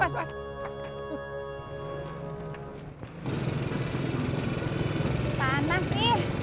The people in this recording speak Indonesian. apa es kelapa